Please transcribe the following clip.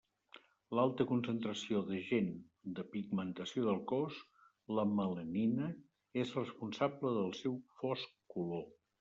L'alta concentració d'agent de pigmentació del cos, la melanina, és responsable del seu fosc color.